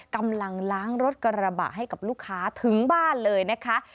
กำลังล้างรถกระบะให้กับลูกค้าถึงบ้านเลยนะคะ